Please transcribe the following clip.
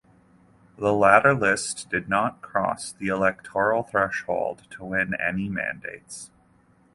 The latter list did not cross the electoral threshold to win any mandates.